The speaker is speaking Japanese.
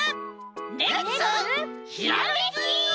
レッツひらめき！